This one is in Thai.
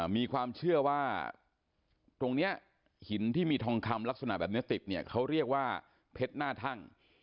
มีความเชื่อว่าตรงนี้หินที่มีทองคำลักษณะแบบนี้ติดเนี่ยเขาเรียกว่าเพชรหน้าทั่ง